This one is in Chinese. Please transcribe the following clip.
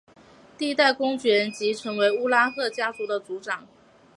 第一代公爵即成为乌拉赫家族的族长。